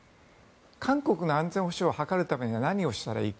韓国の安全保障を図るためには何をしたらいいか。